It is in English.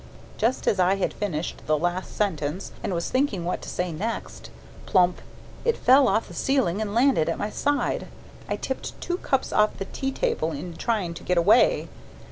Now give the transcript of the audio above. Just as I had finished the last sentence and was thinking what to say next plump! it fell off the ceiling and landed at my side. I tipped two cups off the tea table in trying to get away.